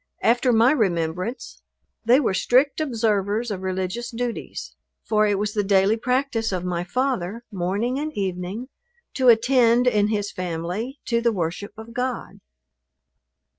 After my remembrance they were strict observers of religious duties; for it was the daily practice of my father, morning and evening, to attend, in his family, to the worship of God.